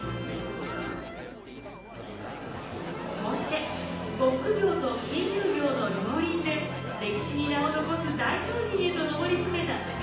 こうして呉服業と金融業の両輪で歴史に名を残す大商人へと上り詰めた高利。